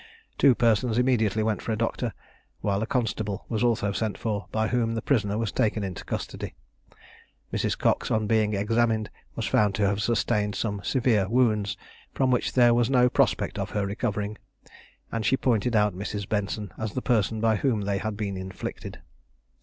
Two persons immediately went for a doctor, while a constable was also sent for, by whom the prisoner was taken into custody. Mrs. Cox, on being examined, was found to have sustained some severe wounds, from which there was no prospect of her recovering; and she pointed out Mrs. Benson as the person by whom they had been inflicted.